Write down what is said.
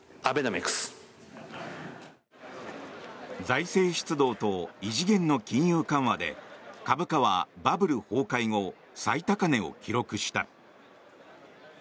財政出動と異次元の金融緩和で株価は、バブル崩壊後最高値を記録した。